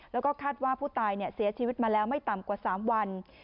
แล้วก็คาดว่าผู้ตายเสียชีวิตมาแล้วไม่ต่ำกว่า๓วัน